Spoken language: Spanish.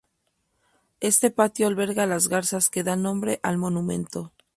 Este patio alberga las garzas que dan nombre al monumento.